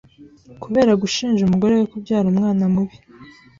kubera gushinja umugore we kubyara umwana mubi